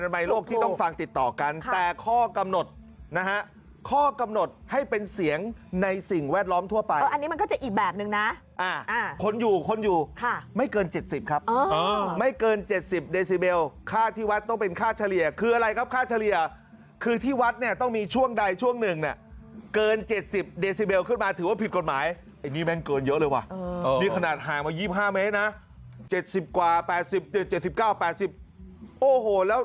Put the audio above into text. ไม่เกิน๗๐เมตรครับไม่เกิน๗๐เดซิเบลค่าที่วัดต้องเป็นค่าเฉลี่ยคืออะไรครับค่าเฉลี่ยคือที่วัดเนี่ยต้องมีช่วงใดช่วงหนึ่งเนี่ยเกิน๗๐เดซิเบลขึ้นมาถือว่าผิดกฎหมายไอ้นี่แม่งเกินเยอะเลยว่ะนี่ขนาดห่างมา๒๕เมตรนะ๗๐กว่า๘๐๗๙๘๐โอ้โหแล้ว